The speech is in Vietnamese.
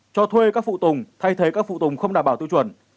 cho thuê các phụ tùng thay thế các phụ tùng không đảm bảo tiêu chuẩn